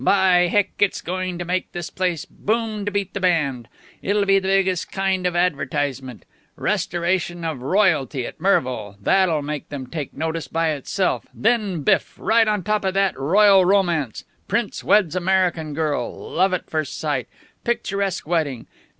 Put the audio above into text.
"By Heck, it's going to make this place boom to beat the band. It'll be the biggest kind of advertisement. Restoration of Royalty at Mervo. That'll make them take notice by itself. Then, biff! right on top of that, Royal Romance Prince Weds American Girl Love at First Sight Picturesque Wedding!